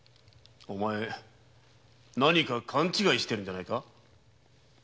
お前何か勘違いしていないか？